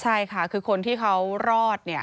ใช่ค่ะคือคนที่เขารอดเนี่ย